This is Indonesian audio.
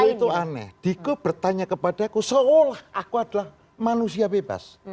kalau itu aneh diku bertanya kepada aku seolah aku adalah manusia bebas